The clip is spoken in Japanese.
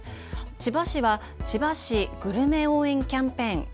千葉市は千葉市グルメ応援キャンペーン。